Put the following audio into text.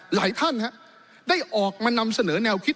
หลายท่านได้ออกมานำเสนอแนวคิด